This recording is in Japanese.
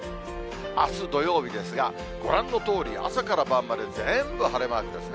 あす土曜日ですが、ご覧のとおり、朝から晩まで全部晴れマークですね。